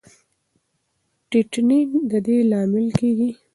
ټینین د دې لامل کېږي.